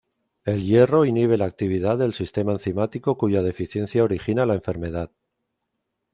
El hierro inhibe la actividad del sistema enzimático cuya deficiencia origina la enfermedad.